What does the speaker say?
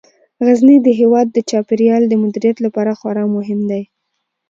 غزني د هیواد د چاپیریال د مدیریت لپاره خورا مهم دی.